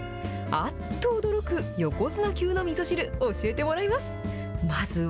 あっと驚く横綱級のみそ汁、教えてもらいます。